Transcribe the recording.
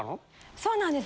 そうなんです